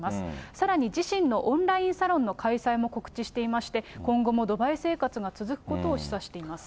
さらに自身のオンラインサロンの開催も告知していまして、今後もドバイ生活が続くことを示唆しています。